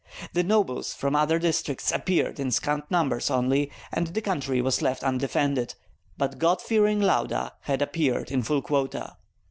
The nobles from other districts appeared in scant numbers only, and the country was left undefended; but God fearing Lauda had appeared in full quota.